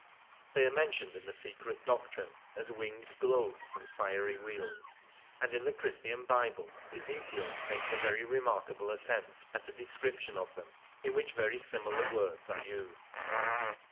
They are mentioned in The Secret Doctrine as " winged globes and fiery wheels "; and in the Christian bible Ezekiel makes a very remarkable attempt at a description of them in which very similar words are used.